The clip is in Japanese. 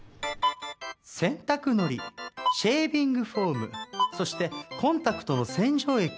洗濯のりシェービングフォームそしてコンタクトの洗浄液。